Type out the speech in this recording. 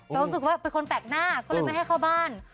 ก็รู้สึกว่าเป็นคนแปลกหน้าก็เลยไม่ให้เข้าบ้าน